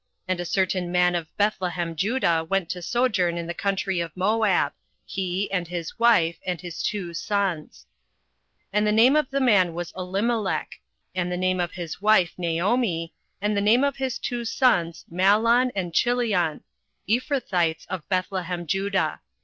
And a certain man of Bethlehemjudah went to sojourn in the country of Moab, he, and his wife, and his two sons. 08:001:002 And the name of the man was Elimelech, and the name of his wife Naomi, and the name of his two sons Mahlon and Chilion, Ephrathites of Bethlehemjudah.